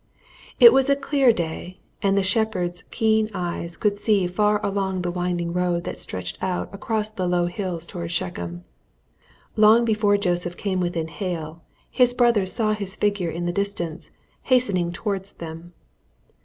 It was a clear day, and the shepherds' keen eyes could see far along the winding road that stretched out across the low hills towards Shechem. Long before Joseph came within hail, his brothers saw his figure in the distance hastening towards them.